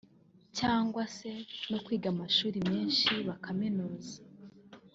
cyangwa se no kwiga amashuri menshi bakaminuza